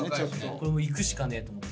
これもう行くしかねえと思って。